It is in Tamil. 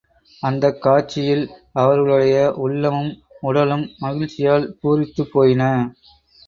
அந்தக் காட்சியில் அவர்களுடைய உள்ளமும், உடலும் மகிழ்ச்சியால் பூரித்துப் போயின.